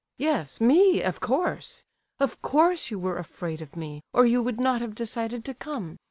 "Yes, me, of course! Of course you were afraid of me, or you would not have decided to come.